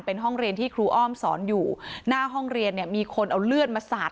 เป็นห้องเรียนที่ครูอ้อมสอนอยู่หน้าห้องเรียนเนี่ยมีคนเอาเลือดมาสาด